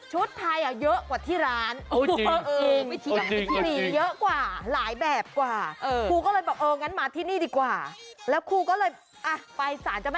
เฮ้ยคุณมาผิดที่ยังไหม